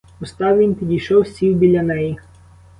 Устав він, підійшов, сів біля неї.